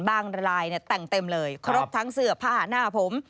รายแต่งเต็มเลยครบทั้งเสื้อผ้าหน้าผม